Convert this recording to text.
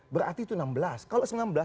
berarti itu menurut saya